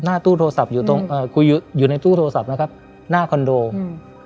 ตู้โทรศัพท์อยู่ตรงเอ่อคุยอยู่อยู่ในตู้โทรศัพท์นะครับหน้าคอนโดอืม